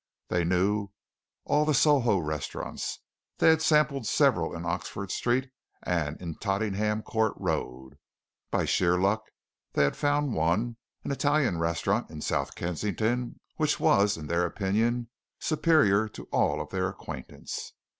They knew all the Soho restaurants. They had sampled several in Oxford Street and in Tottenham Court Road. But by sheer luck they had found one an Italian restaurant in South Kensington which was, in their opinion, superior to all of their acquaintance.